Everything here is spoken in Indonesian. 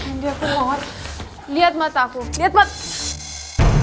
andi aku mau lihat mata aku lihat mata